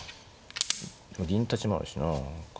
銀立ちもあるしなあ何か。